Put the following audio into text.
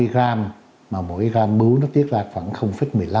ba mươi gram mà mỗi gram bú nó tiết ra khoảng một mươi năm